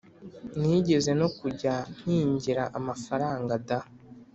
nigeze no kujya mpingira amafaranga da!